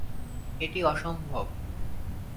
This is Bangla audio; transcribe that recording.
এটি অসম্ভব।